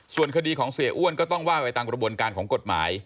ส่วนคดีของเสียอ้วนก็ต้องว่าไปตามกระบวนการของกฎหมาย